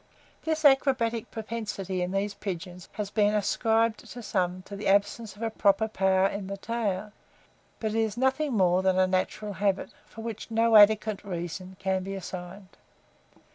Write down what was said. This acrobatic propensity in these pigeons has been ascribed by some to the absence of a proper power in the tail; but is nothing more than a natural habit, for which no adequate reason can be assigned.